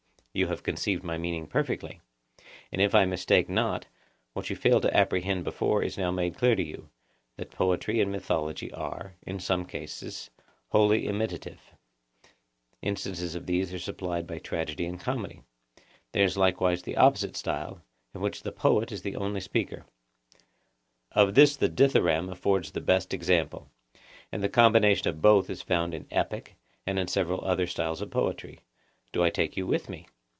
You have conceived my meaning perfectly; and if I mistake not, what you failed to apprehend before is now made clear to you, that poetry and mythology are, in some cases, wholly imitative—instances of this are supplied by tragedy and comedy; there is likewise the opposite style, in which the poet is the only speaker—of this the dithyramb affords the best example; and the combination of both is found in epic, and in several other styles of poetry. Do I take you with me?